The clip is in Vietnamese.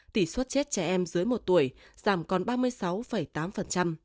tỷ suất chết trẻ em dưới một tuổi giảm còn ba mươi sáu tám